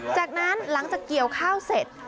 จากนั้นหลังจากเกี่ยวข้าวเสร็จ